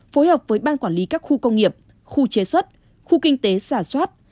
phối hợp với ban quản lý các khu công nghiệp khu chế xuất khu kinh tế xả soát